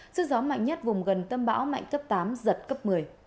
sức gió mạnh nhất vùng gần tâm bão mạnh cấp tám giật cấp một mươi